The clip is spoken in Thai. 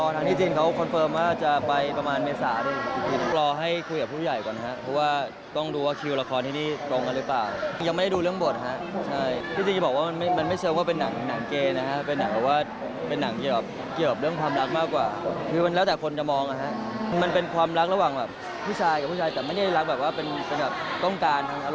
แต่ว่าอยากจะลองเล่นดูด้วยอยากจะลองรับบทบาทใหม่ด้วยค่ะ